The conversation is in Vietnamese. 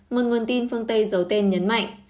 một nguồn tin phương tây giấu tên nhấn mạnh